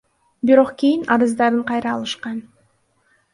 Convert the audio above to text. Бирок кийин арыздарын кайра алышкан.